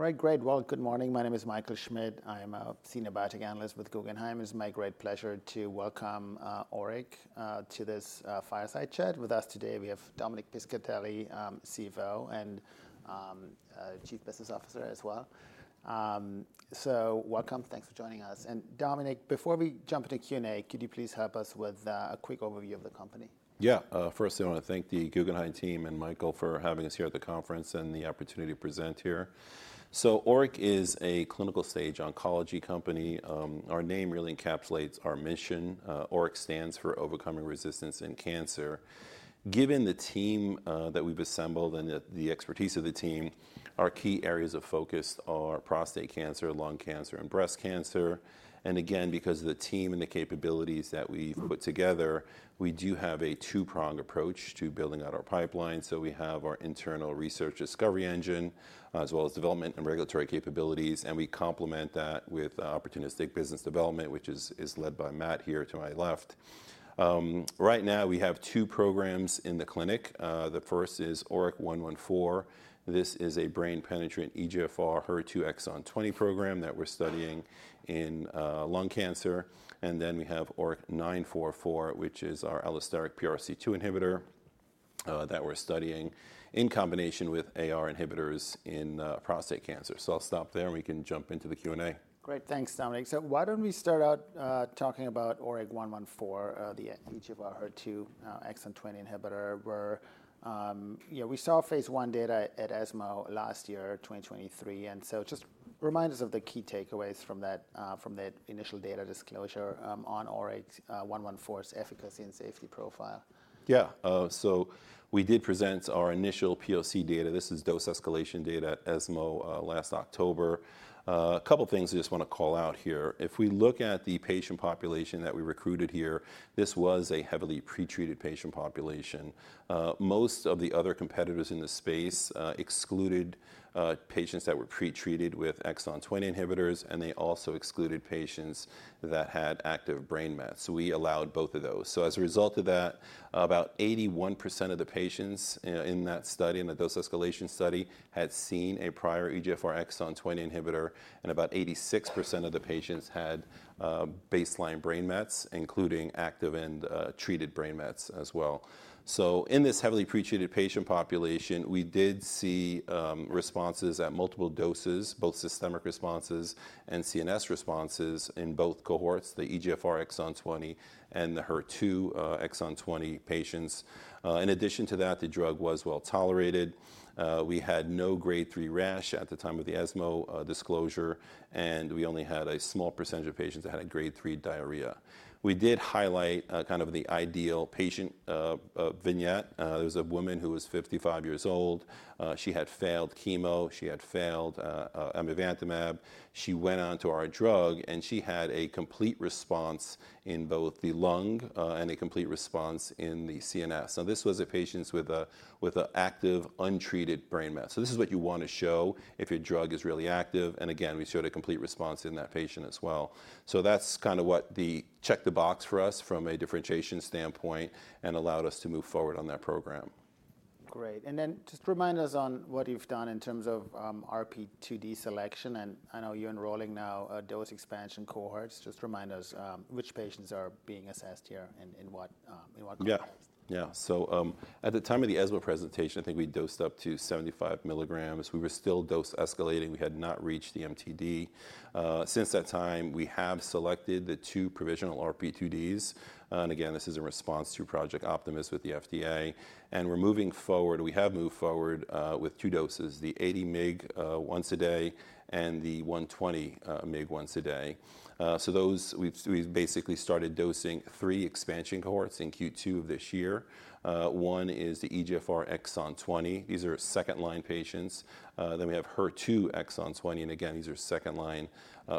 All right, great. Well, good morning. My name is Michael Schmidt. I am a senior biotech analyst with Guggenheim. It's my great pleasure to welcome ORIC to this fireside chat with us today. We have Dominic Piscitelli, CFO and Chief Business Officer as well. So welcome. Thanks for joining us. And Dominic, before we jump into Q and A, could you please help us with a quick overview of the company? Yeah. First, I want to thank the Guggenheim team and Michael for having us here at the conference and the opportunity to present here. So ORIC is a clinical-stage oncology company. Our name really encapsulates our mission. ORIC stands for Overcoming Resistance in Cancer. Given the team that we've assembled and the expertise of the team, our key areas of focus are prostate cancer, lung cancer, and breast cancer. And again, because of the team and the capabilities that we've put together, we do have a two-pronged approach to building out our pipeline. So we have our internal research discovery engine, as well as development and regulatory capabilities. And we complement that with opportunistic business development, which is led by Matt here to my left. Right now, we have two programs in the clinic. The first is ORIC-114. This is a brain penetrating EGFR HER2 exon 20 program that we're studying in lung cancer. And then we have ORIC-944, which is our allosteric PRC2 inhibitor that we're studying in combination with AR inhibitors in prostate cancer. So I'll stop there, and we can jump into the Q and A. Great. Thanks, Dominic. So why don't we start out talking about ORIC-114, the EGFR HER2 exon 20 inhibitor? We saw phase 1 data at ESMO last year, 2023. And so just remind us of the key takeaways from that initial data disclosure on ORIC-114's efficacy and safety profile. Yeah. So we did present our initial POC data. This is dose escalation data at ESMO last October. A couple of things I just want to call out here. If we look at the patient population that we recruited here, this was a heavily pretreated patient population. Most of the other competitors in the space excluded patients that were pretreated with exon 20 inhibitors, and they also excluded patients that had active brain mets. So we allowed both of those. So as a result of that, about 81% of the patients in that study, in the dose escalation study, had seen a prior EGFR exon 20 inhibitor, and about 86% of the patients had baseline brain mets, including active and treated brain mets as well. In this heavily pretreated patient population, we did see responses at multiple doses, both systemic responses and CNS responses in both cohorts, the EGFR exon 20 and the HER2 exon 20 patients. In addition to that, the drug was well tolerated. We had no grade 3 rash at the time of the ESMO disclosure, and we only had a small percentage of patients that had grade 3 diarrhea. We did highlight kind of the ideal patient vignette. There was a woman who was 55 years old. She had failed chemo. She had failed amivantamab. She went on to our drug, and she had a complete response in both the lung and a complete response in the CNS. Now, this was a patient with an active, untreated brain met. This is what you want to show if your drug is really active. And again, we showed a complete response in that patient as well. So that's kind of what checked the box for us from a differentiation standpoint and allowed us to move forward on that program. Great. And then just remind us on what you've done in terms of RP2D selection. And I know you're enrolling now dose expansion cohorts. Just remind us which patients are being assessed here and in what cohorts? Yeah. So at the time of the ESMO presentation, I think we dosed up to 75 milligrams. We were still dose escalating. We had not reached the MTD. Since that time, we have selected the two provisional RP2Ds. And again, this is in response to Project Optimus with the FDA. And we're moving forward. We have moved forward with two doses, the 80 mg once a day and the 120 mg once a day. So we've basically started dosing three expansion cohorts in Q2 of this year. One is the EGFR exon 20. These are second-line patients. Then we have HER2 exon 20. And again, these are second-line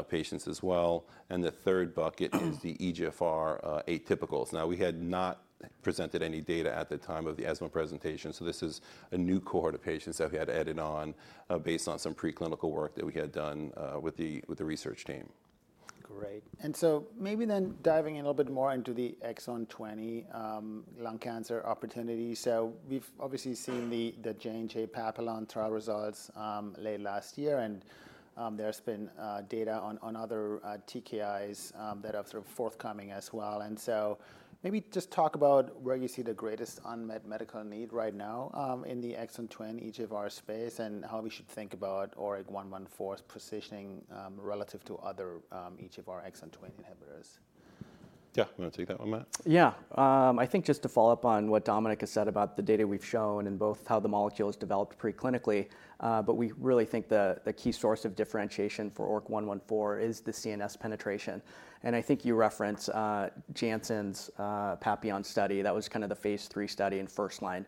patients as well. And the third bucket is the EGFR atypicals. Now, we had not presented any data at the time of the ESMO presentation. This is a new cohort of patients that we had added on based on some preclinical work that we had done with the research team. Great. And so maybe then diving in a little bit more into the exon 20 lung cancer opportunity. So we've obviously seen the J&J Papillon trial results late last year, and there's been data on other TKIs that are sort of forthcoming as well. And so maybe just talk about where you see the greatest unmet medical need right now in the exon 20 EGFR space and how we should think about ORIC-114's positioning relative to other EGFR exon 20 inhibitors. Yeah. I'm going to take that one, Matt. Yeah. I think just to follow up on what Dominic has said about the data we've shown and both how the molecule is developed preclinically. But we really think the key source of differentiation for ORIC-114 is the CNS penetration. I think you referenced Janssen's Papillon study. That was kind of the phase 3 study in first-line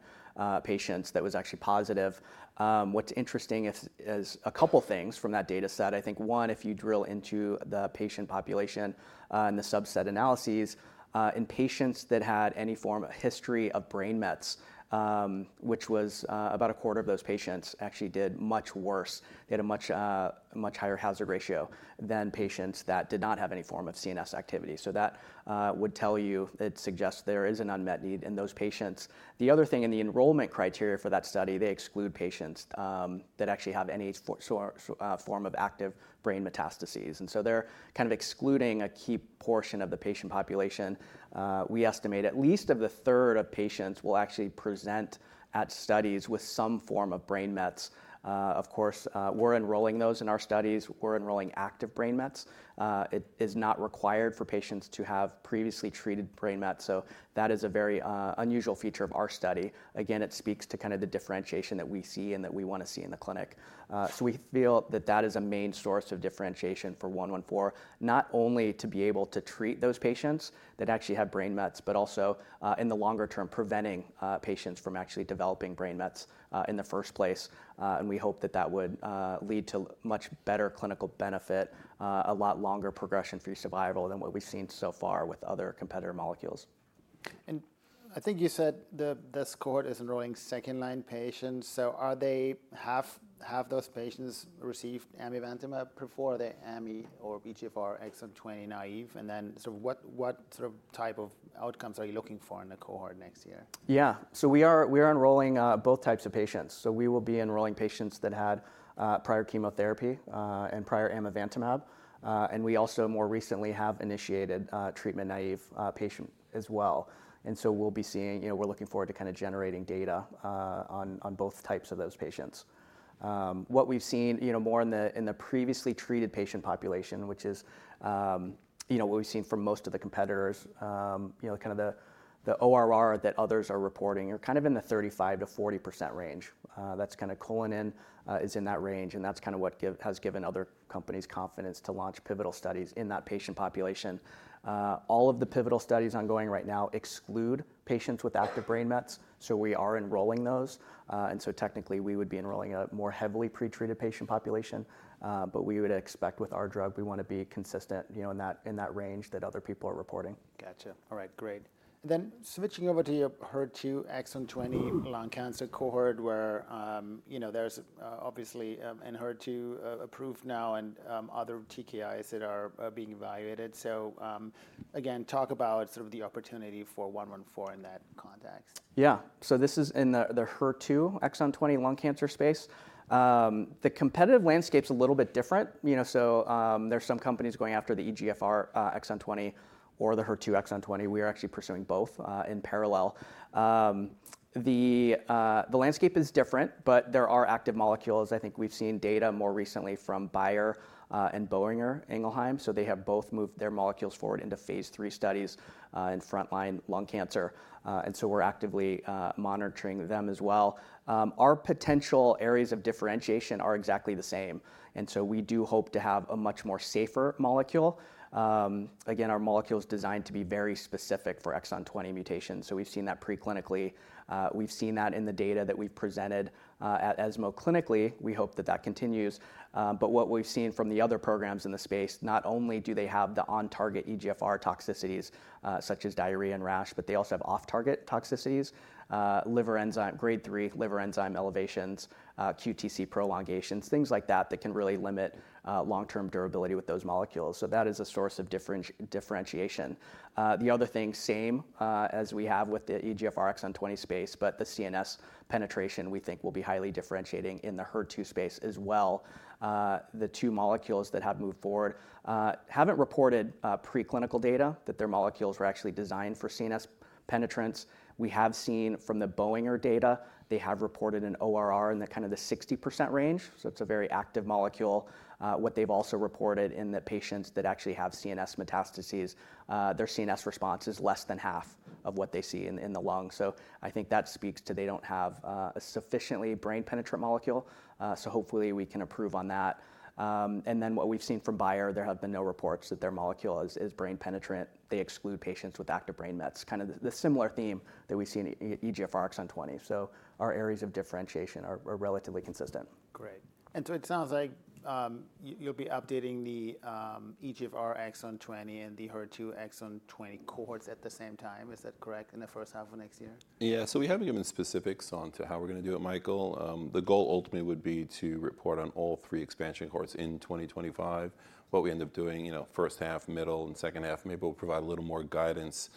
patients that was actually positive. What's interesting is a couple of things from that data set. I think, one, if you drill into the patient population and the subset analyses, in patients that had any form of history of brain mets, which was about a quarter of those patients, actually did much worse. They had a much higher hazard ratio than patients that did not have any form of CNS activity. So that would tell you it suggests there is an unmet need in those patients. The other thing in the enrollment criteria for that study, they exclude patients that actually have any form of active brain metastases. So they're kind of excluding a key portion of the patient population. We estimate at least one third of patients will actually present at diagnosis with some form of brain mets. Of course, we're enrolling those in our studies. We're enrolling active brain mets. It is not required for patients to have previously treated brain mets. So that is a very unusual feature of our study. Again, it speaks to kind of the differentiation that we see and that we want to see in the clinic. So we feel that that is a main source of differentiation for 114, not only to be able to treat those patients that actually have brain mets, but also in the longer term preventing patients from actually developing brain mets in the first place. And we hope that that would lead to much better clinical benefit, a lot longer progression-free survival than what we've seen so far with other competitor molecules. I think you said this cohort is enrolling second-line patients. Have those patients received amivantamab before? Are they amivantamab or EGFR exon 20 naive? Sort of what sort of type of outcomes are you looking for in the cohort next year? Yeah. So we are enrolling both types of patients. So we will be enrolling patients that had prior chemotherapy and prior amivantamab. And we also more recently have initiated treatment-naive patients as well. And so we're looking forward to kind of generating data on both types of those patients. What we've seen more in the previously treated patient population, which is what we've seen from most of the competitors, kind of the ORR that others are reporting are kind of in the 35%-40% range. That's kind of what we have is in that range. And that's kind of what has given other companies confidence to launch pivotal studies in that patient population. All of the pivotal studies ongoing right now exclude patients with active brain mets. So we are enrolling those. And so technically, we would be enrolling a more heavily pretreated patient population. But we would expect with our drug, we want to be consistent in that range that other people are reporting. Gotcha. All right. Great. And then switching over to your HER2 exon 20 lung cancer cohort, where there's obviously an HER2 approved now and other TKIs that are being evaluated. So again, talk about sort of the opportunity for 114 in that context. Yeah. So this is in the HER2 exon 20 lung cancer space. The competitive landscape's a little bit different. So there's some companies going after the EGFR exon 20 or the HER2 exon 20. We are actually pursuing both in parallel. The landscape is different, but there are active molecules. I think we've seen data more recently from Bayer and Boehringer Ingelheim. So they have both moved their molecules forward into phase three studies in front-line lung cancer. And so we're actively monitoring them as well. Our potential areas of differentiation are exactly the same. And so we do hope to have a much more safer molecule. Again, our molecule's designed to be very specific for exon 20 mutations. So we've seen that preclinically. We've seen that in the data that we've presented at ESMO clinically. We hope that that continues. But what we've seen from the other programs in the space, not only do they have the on-target EGFR toxicities such as diarrhea and rash, but they also have off-target toxicities, Grade 3 liver enzyme elevations, QTc prolongations, things like that that can really limit long-term durability with those molecules. So that is a source of differentiation. The other thing, same as we have with the EGFR Exon 20 space, but the CNS penetration we think will be highly differentiating in the HER2 space as well. The two molecules that have moved forward haven't reported preclinical data that their molecules were actually designed for CNS penetrance. We have seen from the Boehringer data, they have reported an ORR in kind of the 60% range. So it's a very active molecule. What they've also reported in the patients that actually have CNS metastases, their CNS response is less than half of what they see in the lung, so I think that speaks to they don't have a sufficiently brain penetrant molecule. So hopefully, we can improve on that, and then what we've seen from Bayer, there have been no reports that their molecule is brain penetrant. They exclude patients with active brain mets, kind of the similar theme that we see in EGFR exon 20, so our areas of differentiation are relatively consistent. Great. And so it sounds like you'll be updating the EGFR exon 20 and the HER2 exon 20 cohorts at the same time. Is that correct in the first half of next year? Yeah. So we haven't given specifics on how we're going to do it, Michael. The goal ultimately would be to report on all three expansion cohorts in 2025. What we end up doing, first half, middle, and second half, maybe we'll provide a little more guidance,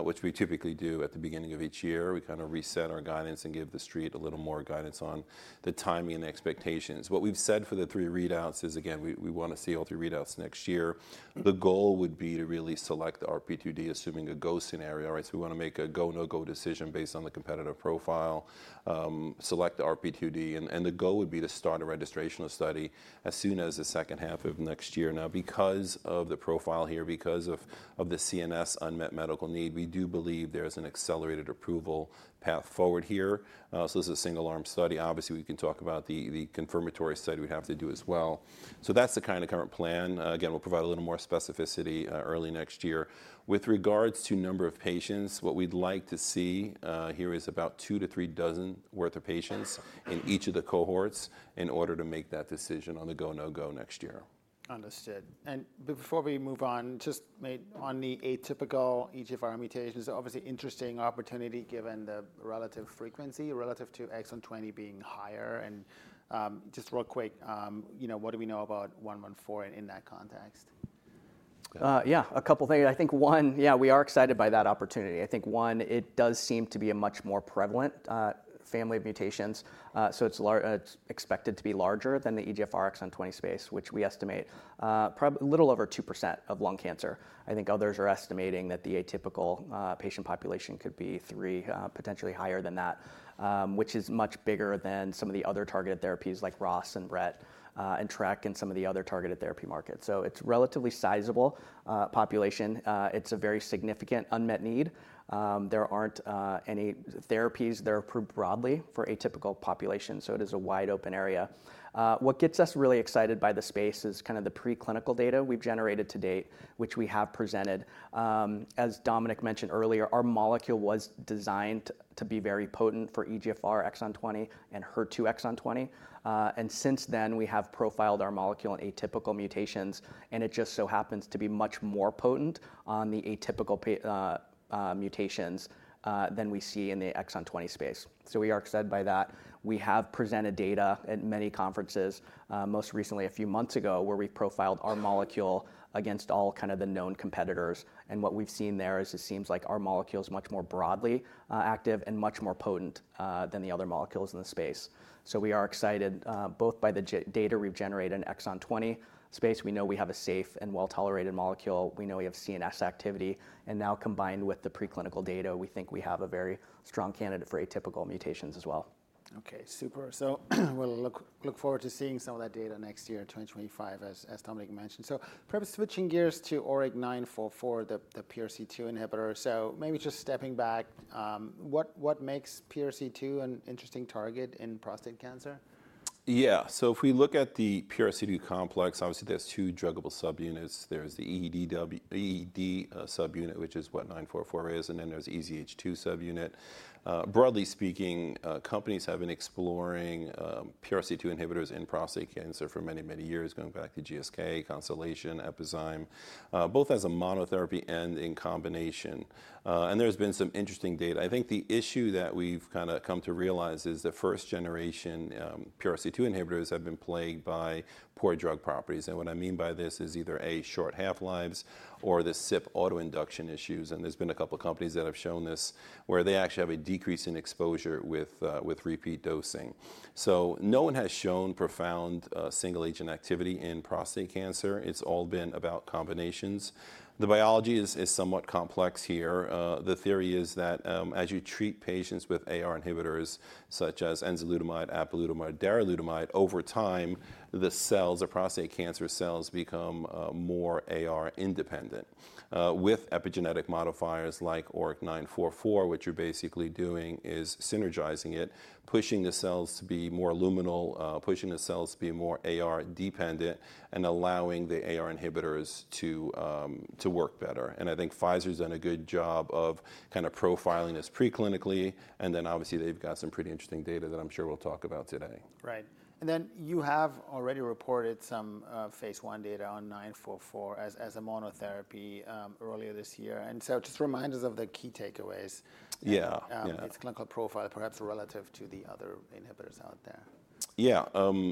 which we typically do at the beginning of each year. We kind of reset our guidance and give the street a little more guidance on the timing and expectations. What we've said for the three readouts is, again, we want to see all three readouts next year. The goal would be to really select the RP2D, assuming a go scenario. So we want to make a go, no-go decision based on the competitive profile, select the RP2D. And the goal would be to start a registration study as soon as the second half of next year. Now, because of the profile here, because of the CNS unmet medical need, we do believe there's an accelerated approval path forward here. So this is a single-arm study. Obviously, we can talk about the confirmatory study we'd have to do as well. So that's the kind of current plan. Again, we'll provide a little more specificity early next year. With regards to number of patients, what we'd like to see here is about two to three dozen worth of patients in each of the cohorts in order to make that decision on the go, no-go next year. Understood. And before we move on, just on the atypical EGFR mutations, obviously interesting opportunity given the relative frequency relative to exon 20 being higher. And just real quick, what do we know about 114 in that context? Yeah, a couple of things. I think one, yeah, we are excited by that opportunity. I think one, it does seem to be a much more prevalent family of mutations. So it's expected to be larger than the EGFR exon 20 space, which we estimate a little over 2% of lung cancer. I think others are estimating that the atypical patient population could be 3%, potentially higher than that, which is much bigger than some of the other targeted therapies like ROS and RET and TRK and some of the other targeted therapy markets. So it's a relatively sizable population. It's a very significant unmet need. There aren't any therapies that are approved broadly for atypical population. So it is a wide open area. What gets us really excited by the space is kind of the preclinical data we've generated to date, which we have presented. As Dominic mentioned earlier, our molecule was designed to be very potent for EGFR exon 20 and HER2 exon 20. Since then, we have profiled our molecule on atypical mutations. And it just so happens to be much more potent on the atypical mutations than we see in the exon 20 space. We are excited by that. We have presented data at many conferences, most recently a few months ago, where we've profiled our molecule against all kind of the known competitors. And what we've seen there is it seems like our molecule is much more broadly active and much more potent than the other molecules in the space. We are excited both by the data we've generated in exon 20 space. We know we have a safe and well-tolerated molecule. We know we have CNS activity. Now combined with the preclinical data, we think we have a very strong candidate for atypical mutations as well. Okay. Super. So we'll look forward to seeing some of that data next year, 2025, as Dominic mentioned. So perhaps switching gears to ORIC-944, the PRC2 inhibitor. So maybe just stepping back, what makes PRC2 an interesting target in prostate cancer? Yeah. So if we look at the PRC2 complex, obviously, there's two druggable subunits. There's the EED subunit, which is what 944 is, and then there's the EZH2 subunit. Broadly speaking, companies have been exploring PRC2 inhibitors in prostate cancer for many, many years, going back to GSK, Constellation, Epizyme, both as a monotherapy and in combination. And there's been some interesting data. I think the issue that we've kind of come to realize is the first-generation PRC2 inhibitors have been plagued by poor drug properties. And what I mean by this is either short half-lives or the CYP autoinduction issues. And there's been a couple of companies that have shown this where they actually have a decrease in exposure with repeat dosing. So no one has shown profound single-agent activity in prostate cancer. It's all been about combinations. The biology is somewhat complex here. The theory is that as you treat patients with AR inhibitors such as enzalutamide, apalutamide, darolutamide, over time, the cells, the prostate cancer cells, become more AR-independent. With epigenetic modifiers like ORIC-944, what you're basically doing is synergizing it, pushing the cells to be more luminal, pushing the cells to be more AR-dependent, and allowing the AR inhibitors to work better, and I think Pfizer's done a good job of kind of profiling this preclinically, and then obviously, they've got some pretty interesting data that I'm sure we'll talk about today. Right. And then you have already reported some phase 1 data on 944 as a monotherapy earlier this year. And so just remind us of the key takeaways. Yeah. Its clinical profile, perhaps relative to the other inhibitors out there. Yeah.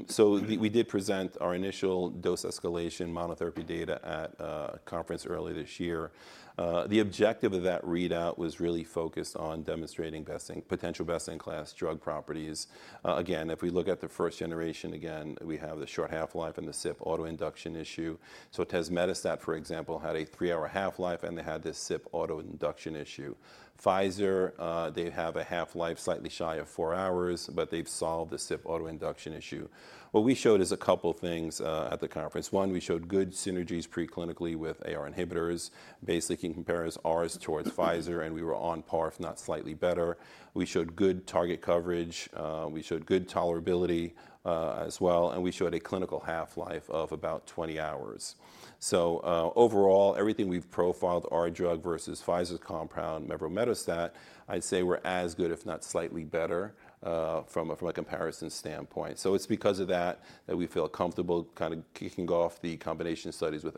So we did present our initial dose escalation monotherapy data at a conference earlier this year. The objective of that readout was really focused on demonstrating potential best-in-class drug properties. Again, if we look at the first generation, again, we have the short half-life and the CYP autoinduction issue. So tazemetostat, for example, had a three-hour half-life, and they had the CYP autoinduction issue. Pfizer, they have a half-life slightly shy of four hours, but they've solved the CYP autoinduction issue. What we showed is a couple of things at the conference. One, we showed good synergies preclinically with AR inhibitors. Basically, you can compare ours towards Pfizer, and we were on par, if not slightly better. We showed good target coverage. We showed good tolerability as well. And we showed a clinical half-life of about 20 hours. So overall, everything we've profiled our drug versus Pfizer's compound, Mevrometastat, I'd say we're as good, if not slightly better from a comparison standpoint. So it's because of that that we feel comfortable kind of kicking off the combination studies with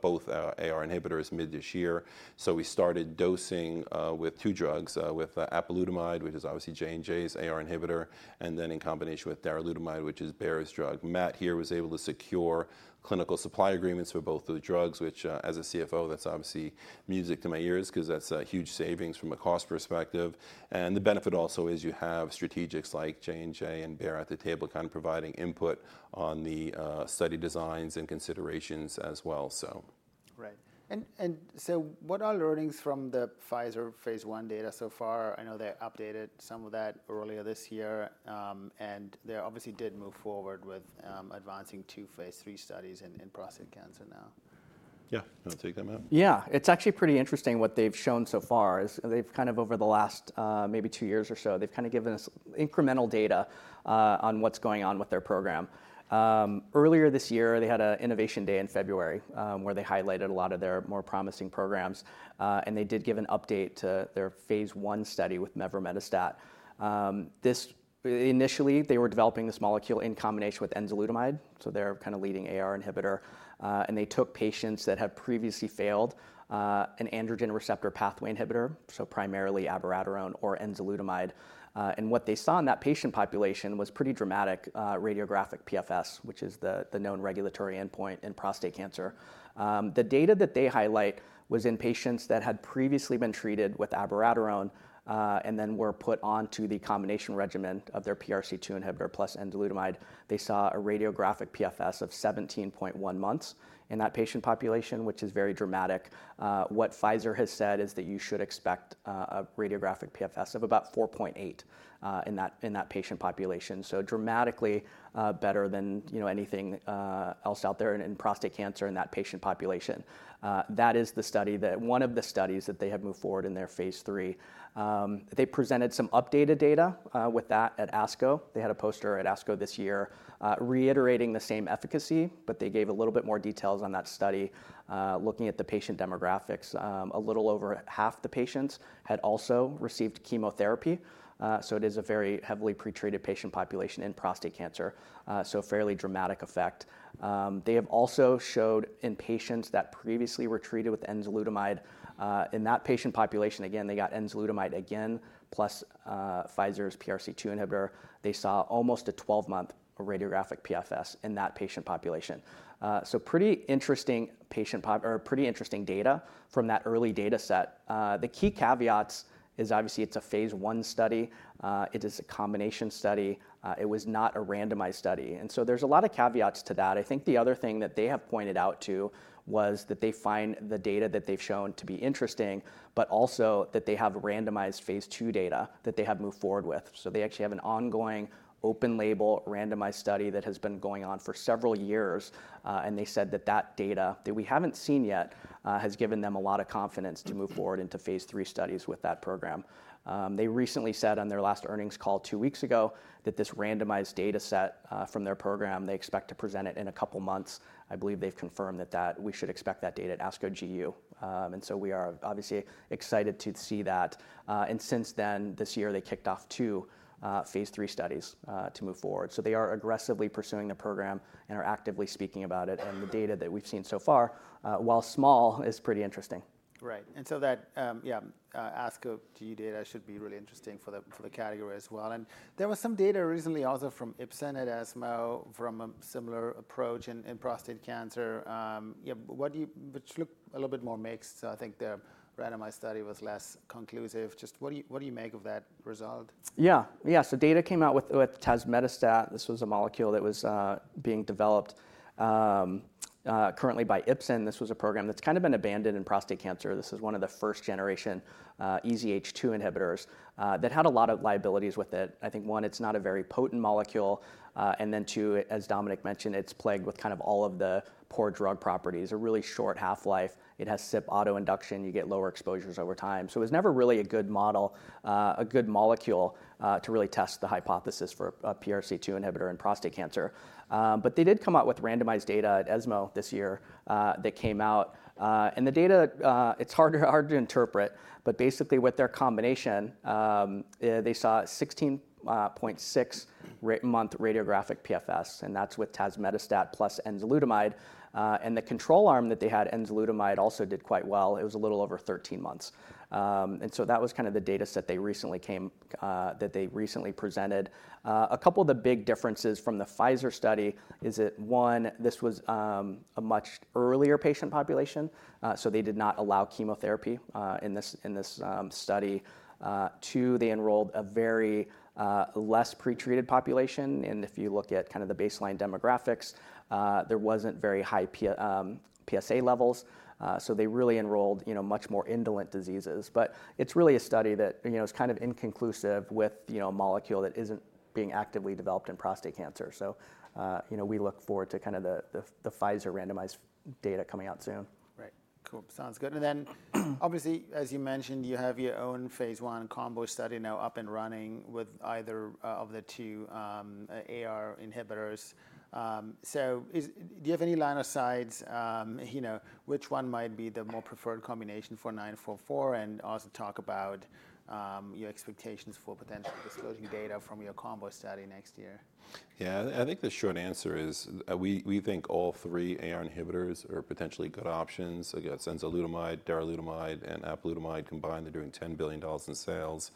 both AR inhibitors mid this year. So we started dosing with two drugs, with apalutamide, which is obviously J&J's AR inhibitor, and then in combination with darolutamide, which is Bayer's drug. Matt here was able to secure clinical supply agreements for both of the drugs, which as a CFO, that's obviously music to my ears because that's huge savings from a cost perspective. And the benefit also is you have strategics like J&J and Bayer at the table kind of providing input on the study designs and considerations as well, so. Right. And so what are learnings from the Pfizer phase one data so far? I know they updated some of that earlier this year. And they obviously did move forward with advancing two phase three studies in prostate cancer now. Yeah. I'll take that, Matt. Yeah. It's actually pretty interesting what they've shown so far is they've kind of over the last maybe two years or so, they've kind of given us incremental data on what's going on with their program. Earlier this year, they had an innovation day in February where they highlighted a lot of their more promising programs. And they did give an update to their phase one study with Mevrometastat. Initially, they were developing this molecule in combination with enzalutamide. So they're kind of leading AR inhibitor. And they took patients that had previously failed an androgen receptor pathway inhibitor, so primarily abiraterone or enzalutamide. And what they saw in that patient population was pretty dramatic radiographic PFS, which is the known regulatory endpoint in prostate cancer. The data that they highlight was in patients that had previously been treated with abiraterone and then were put onto the combination regimen of their PRC2 inhibitor plus enzalutamide. They saw a radiographic PFS of 17.1 months in that patient population, which is very dramatic. What Pfizer has said is that you should expect a radiographic PFS of about 4.8 in that patient population. So dramatically better than anything else out there in prostate cancer in that patient population. That is the study that one of the studies that they have moved forward in their phase 3. They presented some updated data with that at ASCO. They had a poster at ASCO this year reiterating the same efficacy, but they gave a little bit more details on that study looking at the patient demographics. A little over half the patients had also received chemotherapy. It is a very heavily pretreated patient population in prostate cancer, so a fairly dramatic effect. They have also showed in patients that previously were treated with Enzalutamide in that patient population, again, they got Enzalutamide again plus Pfizer's PRC2 inhibitor. They saw almost a 12-month radiographic PFS in that patient population. Pretty interesting data from that early data set. The key caveat is obviously it's a phase one study. It is a combination study. It was not a randomized study. There's a lot of caveats to that. I think the other thing that they have pointed out too was that they find the data that they've shown to be interesting, but also that they have randomized phase two data that they have moved forward with. They actually have an ongoing open-label randomized study that has been going on for several years. They said that data that we haven't seen yet has given them a lot of confidence to move forward into phase 3 studies with that program. They recently said on their last earnings call two weeks ago that this randomized data set from their program, they expect to present it in a couple of months. I believe they've confirmed that we should expect that data at ASCO GU. And so we are obviously excited to see that. And since then, this year, they kicked off two phase 3 studies to move forward. So they are aggressively pursuing the program and are actively speaking about it. And the data that we've seen so far, while small, is pretty interesting. Right. And so that, yeah, ASCO GU data should be really interesting for the category as well. And there was some data recently also from Ipsen at ESMO from a similar approach in prostate cancer, which looked a little bit more mixed. So I think the randomized study was less conclusive. Just what do you make of that result? Yeah. Yeah. So data came out with Tazemetostat. This was a molecule that was being developed currently by Ipsen. This was a program that's kind of been abandoned in prostate cancer. This is one of the first-generation EZH2 inhibitors that had a lot of liabilities with it. I think one, it's not a very potent molecule. And then two, as Dominic mentioned, it's plagued with kind of all of the poor drug properties, a really short half-life. It has CYP autoinduction. You get lower exposures over time. So it was never really a good model, a good molecule to really test the hypothesis for a PRC2 inhibitor in prostate cancer. But they did come out with randomized data at ESMO this year that came out. And the data, it's hard to interpret, but basically with their combination, they saw 16.6-month radiographic PFS. And that's with Tazemetostat plus enzalutamide. And the control arm that they had enzalutamide also did quite well. It was a little over 13 months. And so that was kind of the data set they recently presented. A couple of the big differences from the Pfizer study is that one, this was a much earlier patient population. So they did not allow chemotherapy in this study. Two, they enrolled a very less pretreated population. And if you look at kind of the baseline demographics, there weren't very high PSA levels. So they really enrolled much more indolent diseases. But it's really a study that is kind of inconclusive with a molecule that isn't being actively developed in prostate cancer. So we look forward to kind of the Pfizer randomized data coming out soon. Right. Cool. Sounds good. And then obviously, as you mentioned, you have your own phase one combo study now up and running with either of the two AR inhibitors. So do you have any line of sight? Which one might be the more preferred combination for 944? And also talk about your expectations for potential disclosing data from your combo study next year. Yeah. I think the short answer is we think all three AR inhibitors are potentially good options. I guess enzalutamide, darolutamide, and apalutamide combined, they're doing $10 billion in sales.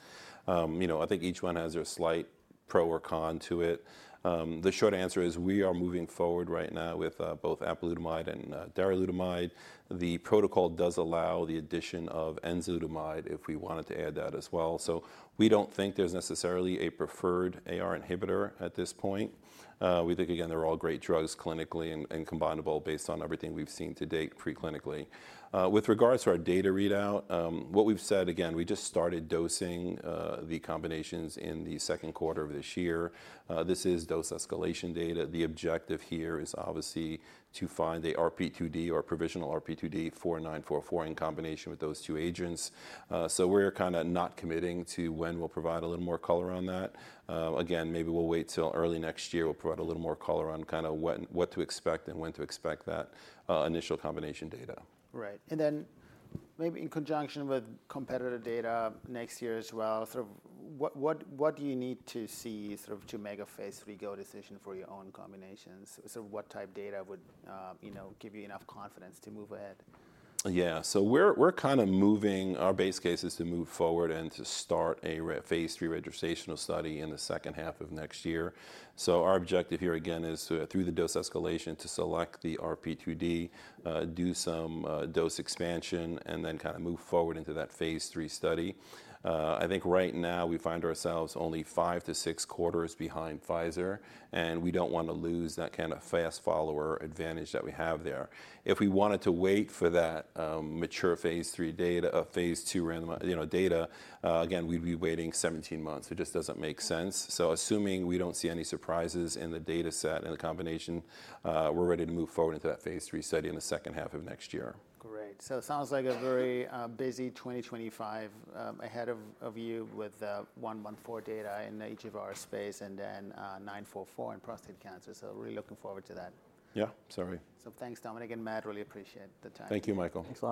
I think each one has their slight pro or con to it. The short answer is we are moving forward right now with both apalutamide and darolutamide. The protocol does allow the addition of enzalutamide if we wanted to add that as well. So we don't think there's necessarily a preferred AR inhibitor at this point. We think, again, they're all great drugs clinically and combineable based on everything we've seen to date preclinically. With regards to our data readout, what we've said, again, we just started dosing the combinations in the second quarter of this year. This is dose escalation data. The objective here is obviously to find the RP2D or provisional RP2D for 944 in combination with those two agents. So we're kind of not committing to when we'll provide a little more color on that. Again, maybe we'll wait till early next year. We'll provide a little more color on kind of what to expect and when to expect that initial combination data. Right. And then maybe in conjunction with competitor data next year as well, sort of what do you need to see sort of to make a phase 3 go decision for your own combinations? What type of data would give you enough confidence to move ahead? Yeah. So we're kind of moving our base case is to move forward and to start a phase 3 registrational study in the second half of next year. So our objective here again is through the dose escalation to select the RP2D, do some dose expansion, and then kind of move forward into that phase 3 study. I think right now we find ourselves only five-to-six quarters behind Pfizer. And we don't want to lose that kind of fast follower advantage that we have there. If we wanted to wait for that mature phase 3 data, phase 2 randomized data, again, we'd be waiting 17 months. It just doesn't make sense. So assuming we don't see any surprises in the data set and the combination, we're ready to move forward into that phase 3 study in the second half of next year. Great. So it sounds like a very busy 2025 ahead of you with one month for data in each of our space and then 944 in prostate cancer. So really looking forward to that. Yeah. Sorry. Thanks, Dominic and Matt. Really appreciate the time. Thank you, Michael. Sounds good.